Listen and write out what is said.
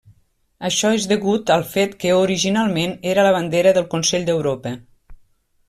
Això és degut al fet que originalment era la bandera del Consell d'Europa.